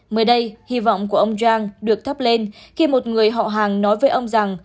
mới đây hy vọng của ông giang được thắp lên khi một người họ hàng nói với ông rằng